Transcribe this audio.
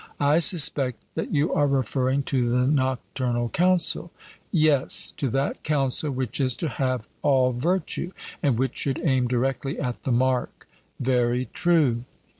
'I suspect that you are referring to the Nocturnal Council.' Yes, to that council which is to have all virtue, and which should aim directly at the mark. 'Very true.'